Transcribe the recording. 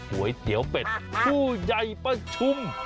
หัวไอ้เตี๋ยวเป็นผู้ใหญ่ประชุม